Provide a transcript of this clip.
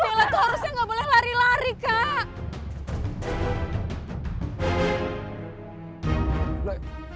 bella tuh harusnya nggak boleh lari lari kak